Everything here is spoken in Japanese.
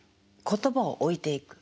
言葉を置いていく。